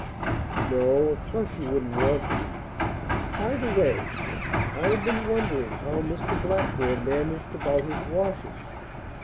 "No, of course you wouldn't want to. By the way, I have been wondering how Mr. Blackmore managed about his washing."